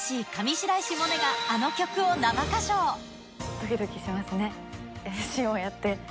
ドキドキしますね。